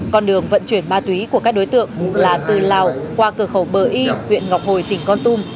con đường vận chuyển ma túy của các đối tượng là từ lào qua cửa khẩu bờ y huyện ngọc hồi tỉnh con tum